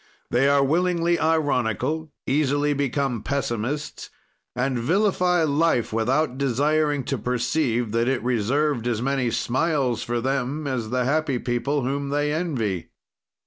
"They are willingly ironical, easily become pessimists, and villify life, without desiring to perceive that it reserved as many smiles for them as the happy people whom they envy.